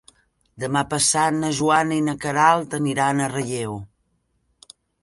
Demà passat na Joana i na Queralt aniran a Relleu.